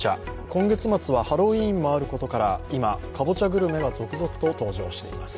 今月末はハロウィーンもあることから今、かぼちゃグルメが続々と登場しています。